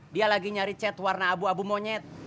dia lagi nyari chat warna abu abu monyet